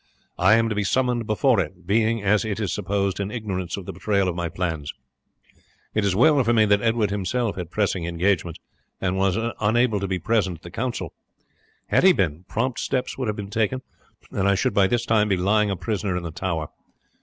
I am to be summoned before it, being, as it is supposed, in ignorance of the betrayal of my plans. It was well for me that Edward himself had pressing engagements, and was unable to be present at the council. Had he been, prompt steps would have been taken, and I should by this time be lying a prisoner in the Tower.